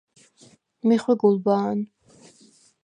მი ხვი გულბა̄ნ.